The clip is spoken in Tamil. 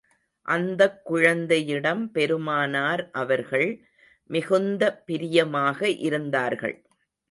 அந்தக் குழந்தையிடம் பெருமானார் அவர்கள் மிகுந்த பிரியமாக இருந்தார்கள்.